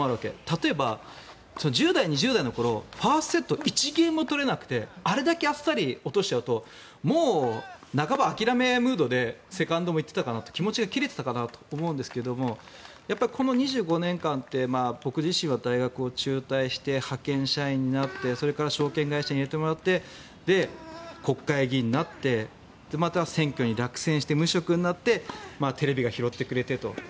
例えば、１０代、２０代のころファーストセット１ゲームも取れなくてあれだけあっさり落としちゃうともう半ば諦めムードでセカンドもいってたかなと気持ちも切れてたかなと思うんだけどこの２５年間って、僕自身は大学を中退して派遣社員になってそれから証券会社に入れてもらって国会議員になって選挙で落選して無職になってテレビが拾ってくれてと。